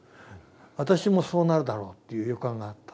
私もそうなるだろうという予感があった。